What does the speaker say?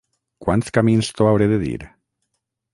Quants camins t'ho hauré de dir?